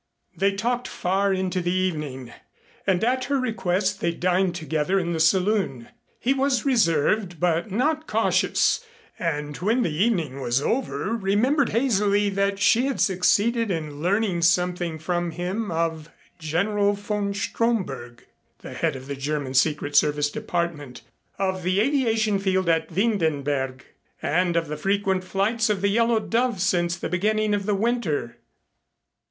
They talked far into the evening and at her request they dined together in the saloon. He was reserved but not cautious, and when the evening was over remembered hazily that she had succeeded in learning something from him of General von Stromberg, the head of the German Secret Service Department, of the aviation field at Windenberg and of the frequent flights of the Yellow Dove since the beginning of the winter.